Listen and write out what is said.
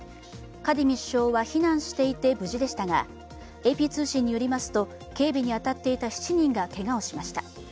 カディミ首相は避難していて無事でしたがＡＰ通信によりますと警備に当たっていた７人がけがをしました。